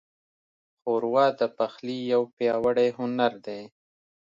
ښوروا د پخلي یو پیاوړی هنر دی.